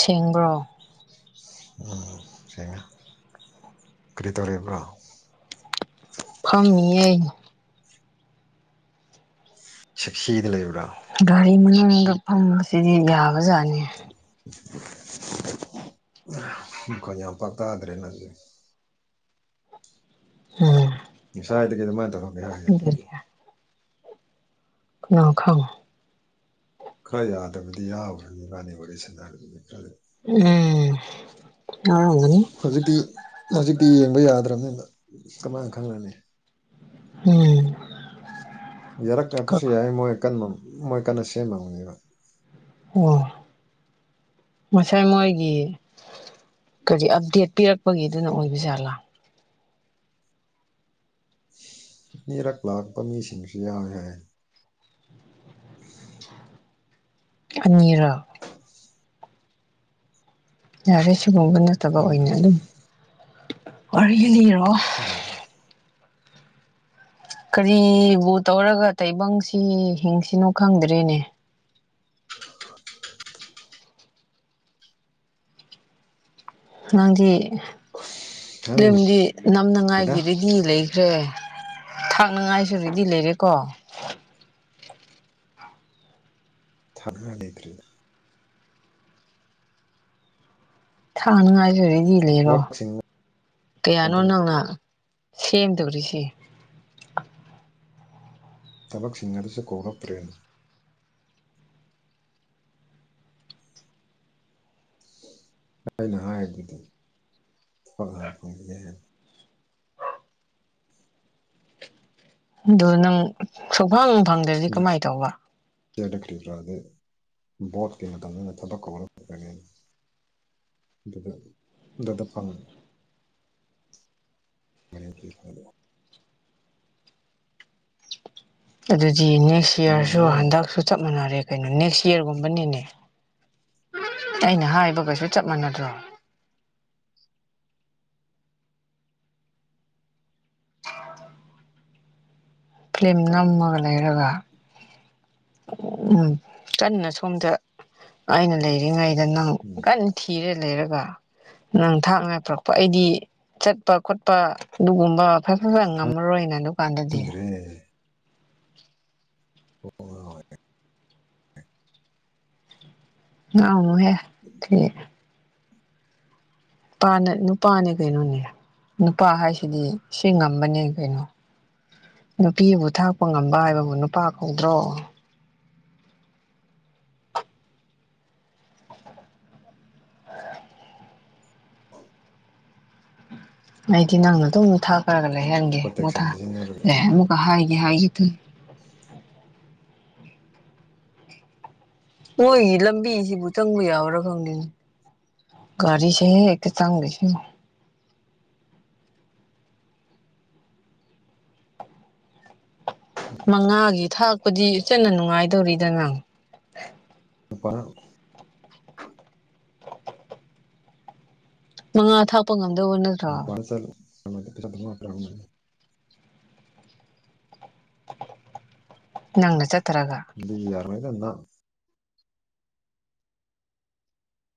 ꯁꯦꯡꯕ꯭ꯔꯣ ꯎꯝ ꯁꯦꯡꯉꯦ ꯀꯔꯤ ꯇꯧꯔꯤꯕ꯭ꯔꯣ ꯐꯝꯃꯤꯌꯦ ꯁꯦꯛꯁꯤꯗ ꯂꯩꯕ꯭ꯔꯥ ꯒꯥꯔꯤ ꯃꯅꯨꯡꯗ ꯐꯪꯕꯁꯤꯗꯤ ꯌꯥꯕꯖꯥꯠꯅꯤ [unintelligible] ꯃꯈꯣꯜ ꯌꯥꯝ ꯄꯥꯛ ꯇꯥꯗ꯭ꯔꯦ ꯅꯪꯒꯤ ꯎꯝ ꯉꯁꯥꯢꯗꯒꯤ ꯑꯗꯨꯃꯥꯢ ꯇꯧꯔꯝꯃꯤꯔꯥ ꯍꯥꯏꯁꯦ ꯉ ꯈꯪ ꯈꯔ ꯌꯥꯗꯕꯗꯤ ꯌꯥꯎꯒꯔꯅꯤ ꯏꯕꯥꯅꯤ ꯋꯥꯔꯤ ꯁꯅꯕꯗꯨꯗꯤ ꯈꯔꯗꯤ ꯎꯝ ꯌꯥꯎꯔꯝꯒꯅꯤ ꯍꯧꯖꯤꯛꯇꯤ ꯍꯧꯖꯤꯛꯇꯤ ꯌꯦꯡꯕ ꯌꯥꯗ꯭ꯔꯕꯅꯤꯅ ꯀꯃꯥꯏꯅ ꯈꯪꯉꯅꯤ ꯎꯝ ꯌꯥꯔꯛ ꯀꯄꯁꯨ ꯌꯥꯏ ꯃꯣꯏ ꯃꯣꯏ ꯀꯟꯅ ꯁꯦꯝꯃꯝꯅꯦꯕ ꯑꯣ ꯉꯁꯥꯏ ꯃꯣꯏꯒꯤ ꯀꯔꯤ ꯑꯞꯗꯦꯠ ꯄꯤꯔꯛꯄꯒꯤ ꯑꯗꯨꯅ ꯑꯣꯏꯕ ꯖꯥꯠꯂꯥ ꯑꯅꯤꯔꯛ ꯂꯥꯛꯄꯥ ꯃꯤꯁꯤꯡꯁꯨ ꯌꯥꯎꯋꯦ ꯍꯥꯏ [inaudible] ꯑꯅꯤꯔꯛ ꯌꯥꯔꯦ ꯁꯤꯒꯨꯝꯕ ꯅꯠꯇꯕ ꯎꯝ ꯑꯣꯏꯅ ꯑꯗꯨꯝ ꯋꯥꯔꯤ ꯂꯤꯔꯛꯑꯣ ꯎꯝ ꯀꯔꯤꯕꯨ ꯇꯧꯔꯒ ꯇꯥꯢꯕꯪꯁꯤ ꯍꯤꯡꯁꯤꯅꯣ ꯈꯪꯗ꯭ꯔꯦꯅꯦ [unintelligible] ꯅꯪꯗꯤ ꯈꯪꯗꯦꯗ ꯐꯤꯂꯝꯗꯤ ꯅꯝꯅꯉꯥꯏꯒꯤ ꯔꯦꯗꯤ ꯂꯩꯈ꯭ꯔꯦ ꯊꯥꯛꯅꯉꯥꯏꯁꯨ ꯔꯦꯗꯤ ꯂꯩꯔꯦꯀꯣ ꯊꯛꯅ ꯂꯩꯇ꯭ꯔꯤꯗ ꯊꯥꯉꯥꯏꯁꯨ ꯔꯦꯗꯤ ꯂꯩꯔꯣ ꯊꯕꯛꯁꯤꯡ ꯀꯌꯥꯅꯣ ꯑꯗꯨꯝ ꯅꯪꯅ ꯁꯦꯝꯗꯧꯔꯤꯁꯦ ꯊꯕꯛ ꯁꯤꯡꯒꯗꯁꯨ ꯀꯧꯔꯛꯇ꯭ꯔꯦ ꯑꯩꯅ ꯍꯥꯏꯕꯗꯤ [unintelligible] ꯑꯗꯣ ꯅꯪ ꯁꯨꯐꯪ ꯐꯪꯗ꯭ꯔꯗꯤ ꯀꯃꯥꯏ ꯇꯧꯕ ꯆꯦꯗ ꯀꯔꯤ ꯀꯔꯥꯗꯤ ꯕꯣꯠꯀꯤ ꯃꯇꯝꯅ ꯊꯕꯛ ꯀꯧꯔꯛꯀꯅꯤ ꯑꯗꯨꯒ ꯈꯨꯗꯛꯇ ꯐꯪꯉꯦ [unintelligible] ꯑꯗꯨꯗꯤ ꯅꯦꯛꯁ ꯏꯌꯔꯁꯨ ꯐꯪꯈ꯭ꯔꯦꯍꯦ ꯍꯟꯗꯛꯁꯨ ꯆꯞ ꯃꯥꯟꯅꯔꯦ ꯀꯩꯅꯣ ꯅꯦꯛꯁ ꯏꯌꯔꯒꯨꯝꯕꯅꯤꯅꯦ ꯑꯩꯅ ꯍꯥꯏꯕꯒꯁꯨ ꯆꯞ ꯃꯥꯟꯅꯗ꯭ꯔꯣ [inaudible] ꯐꯤꯂꯝ ꯅꯝꯃꯒ ꯂꯩꯔꯒ ꯎꯝ ꯀꯟꯅ ꯁꯣꯝꯗ ꯑꯩꯅ ꯂꯩꯔꯤꯉꯩꯗ ꯅꯪ ꯎꯝ ꯀꯟꯅ ꯊꯤꯔ ꯂꯩꯔꯒ ꯅꯪ ꯊꯥꯛ ꯉꯥꯏ ꯄꯨꯔꯛꯄ ꯑꯩꯗꯤ ꯆꯠꯄ ꯈꯣꯠꯄ ꯑꯗꯨꯒꯨꯝꯕ ꯐꯖꯅ ꯉꯝꯃꯔꯣꯏꯅ ꯑꯗꯨꯀꯥꯟꯗꯗꯤ ꯑꯦ ꯍꯣꯏ ꯉꯥꯎꯅꯨꯍꯦ ꯅꯨꯄꯥꯅ ꯅꯨꯄꯥꯅꯦ ꯀꯩꯅꯣꯅꯦ ꯅꯨꯄꯥ ꯍꯥꯏꯁꯤꯗꯤ ꯁꯤ ꯉꯝꯕꯅꯦ ꯀꯩꯅꯣ ꯅꯨꯄꯤꯕꯨ ꯊꯥꯛꯄ ꯉꯝꯕ ꯍꯥꯏꯕꯕꯨ ꯅꯨꯄꯥ ꯀꯧꯗ꯭ꯔꯣ [unintelligible] ꯑꯩꯗꯤ ꯅꯪꯅ ꯑꯗꯨꯝ ꯊꯥꯛꯔꯒ ꯂꯩꯍꯟꯒꯦ ꯄ꯭ꯔꯣꯇꯦꯛꯁꯟ ꯃꯨꯊꯥ ꯁꯤꯖꯤꯟꯅꯔ ꯂꯩ ꯂꯣꯏꯔꯦ ꯑꯃꯨꯛꯀ ꯍꯥꯏꯒꯦ ꯍꯥꯏ ꯑꯗꯨ ꯃꯣꯏꯒꯤ ꯂꯝꯕꯤꯁꯤꯕꯨ ꯆꯪꯕ ꯌꯥꯕꯔꯥ ꯈꯪꯗꯦꯅꯦ ꯀꯔꯤꯁꯦ ꯈꯤꯇꯪ ꯃꯉꯥꯒꯤ ꯊꯥꯛꯄꯗꯤ ꯆꯟꯅ ꯅꯨꯡꯉꯥꯏꯗꯧꯔꯤꯗ ꯅꯪ [unintelligible] ꯃꯉꯥ ꯊꯥꯛꯄ ꯉꯝꯗꯕꯧꯕꯅ [unintelligible] ꯅꯪꯅ ꯆꯠꯇꯔꯒ ꯑꯗꯨꯗꯤ ꯌꯥꯔꯣꯢ ꯅꯥ